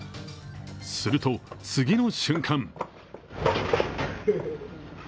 すると、次の瞬間